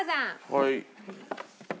はい。